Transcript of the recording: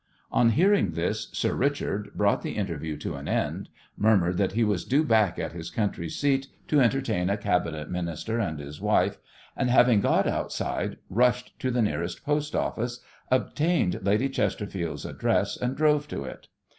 On hearing this "Sir Richard" brought the interview to an end, murmured that he was due back at his country seat to entertain a Cabinet Minister and his wife, and having got outside rushed to the nearest post office, obtained Lady Chesterfield's address, and drove to it.